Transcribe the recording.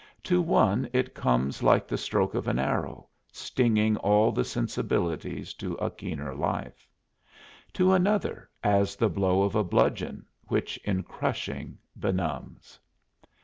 To one it comes like the stroke of an arrow, stinging all the sensibilities to a keener life; to another as the blow of a bludgeon, which in crushing benumbs.